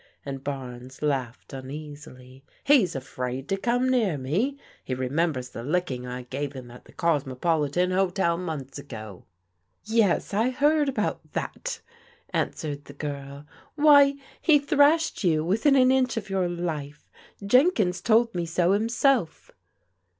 " and Barnes laughed tmeasily. He's afraid to come near me. He remembers the licking I gave him at the Cosmopolitan Hotel months ago." " Yes, I heard about that f " answered the g^rL " Why, he thrashed you within an inch of your life. Jenkins told me so himself."